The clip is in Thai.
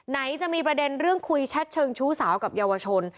ไหนจะมีประเด็นเรื่องคุยแชทเชิงชู้สาวกับเยาวชน